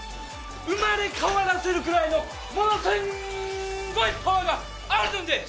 生まれ変わらせるくらいのものすんごいパワーがあるのです！